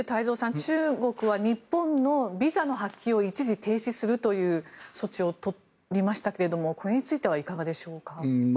中国は日本のビザの発給を一時停止するという措置を取りましたけれどもこれについてはいかがでしょうか。